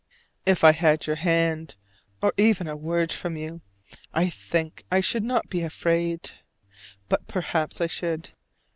If I had your hand, or even a word from you, I think I should not be afraid: but perhaps I should.